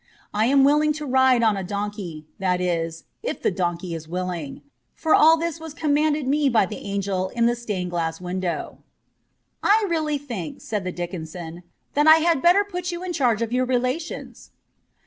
I am willing to ride on a donkey ; that is, if the donkey is willing. For all this was commanded me by the angel in the stained glass window. '* I really think, ' said the Dickensian, * that I had better put you in charge of your relations.'